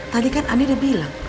tadi kan ani udah bilang